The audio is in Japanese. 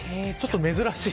珍しい。